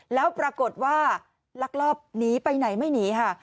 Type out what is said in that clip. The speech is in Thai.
แล้วปรากฏว่าลักลอบหนีไปไหนไม่หนีค่ะ